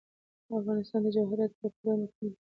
افغانستان د جواهراتو له پلوه متنوع دی.